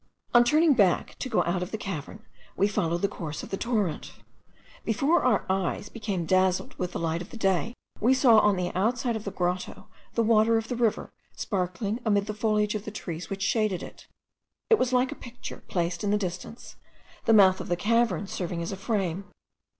On turning back to go out of the cavern, we followed the course of the torrent. Before our eyes became dazzled with the light of day we saw on the outside of the grotto the water of the river sparkling amid the foliage of the trees which shaded it. It was like a picture placed in the distance, the mouth of the cavern serving as a frame.